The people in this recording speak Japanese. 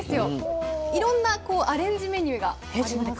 いろんなアレンジメニューがあります。